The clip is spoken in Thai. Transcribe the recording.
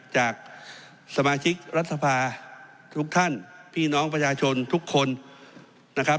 จากสมาชิกรัฐสภาทุกท่านพี่น้องประชาชนทุกคนนะครับ